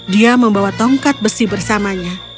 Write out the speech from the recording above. dia membawa tongkat besi bersamanya